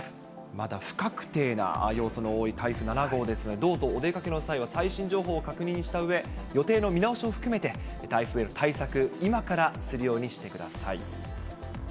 まだ不確定な要素の多い台風７号ですので、どうぞお出かけの際は最新情報を確認したうえ、予定の見直しを含めて、台風への対策、今からするようにしてください。